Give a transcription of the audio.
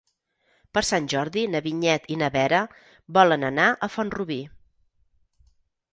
Per Sant Jordi na Vinyet i na Vera volen anar a Font-rubí.